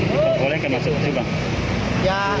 diperbolehkan masuk ke cekpoin terminal